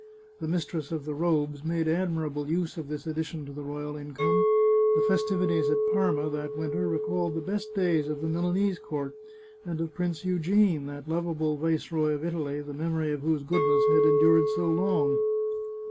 The mistress of the robes made admirable use of this addi tion to the royal income ; the festivities at Parma that winter recalled the best days of the Milanese court, and of Prince Eugene, that lovable viceroy of Italy, the memory of whose goodness has endured so long.